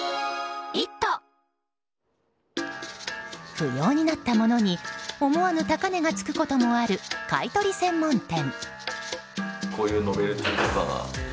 不要になったものに思わぬ高値がつくこともある買い取り専門店。